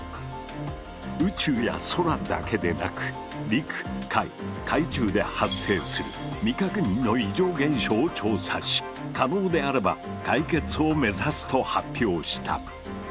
宇宙や空だけでなく陸海海中で発生する未確認の異常現象を調査し可能であれば解決を目指すと発表した。